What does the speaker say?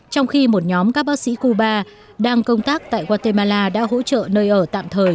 trong khi một nhóm các bác sĩ cuba đang công tác tại guatemala đã hỗ trợ nơi ở tạm thời